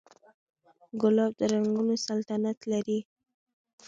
ګلاب د رنګونو سلطنت لري.